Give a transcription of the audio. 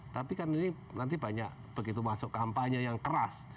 tapi kan ini nanti banyak begitu masuk kampanye yang keras